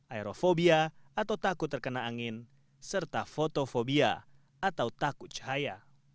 aerofobia atau takut terkena angin serta fotofobia atau takut cahaya